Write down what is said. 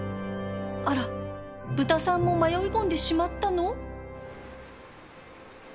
あら豚さんも迷い込んでしまったの？